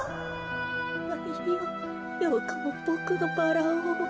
よよくもボクのバラを。